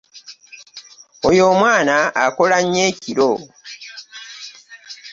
Oyo omwana akola nnyo ekiro.